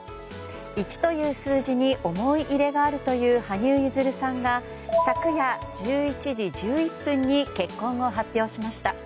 １という数字に思い入れがあるという羽生結弦さんが昨夜１１時１１分に結婚を発表しました。